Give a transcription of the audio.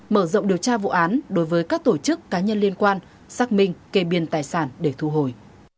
mở rộng điều tra vụ án đối với các tổ chức cá nhân liên quan xác minh kê biên tài sản để thu hồi